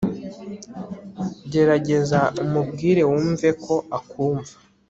gerageza umubwire wumveko akumva